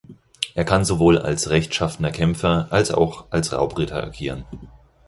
Er kann sowohl als rechtschaffener Kämpfer als auch als Raubritter agieren.